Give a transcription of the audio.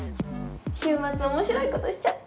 週末面白いことしちゃって。